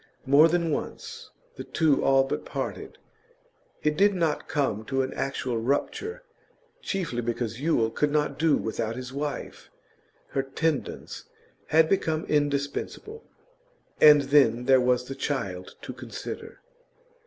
More than once the two all but parted. It did not come to an actual rupture, chiefly because Yule could not do without his wife; her tendance had become indispensable. And then there was the child to consider.